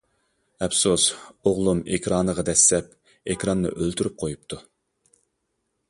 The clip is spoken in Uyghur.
ئەپسۇس ئوغلۇم ئېكرانىغا دەسسەپ ئېكراننى ئۆلتۈرۈپ قويۇپتۇ.